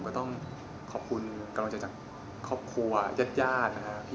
ก็ต้องขอบคุณกำลังใจจากครอบครัวญาติญาตินะครับ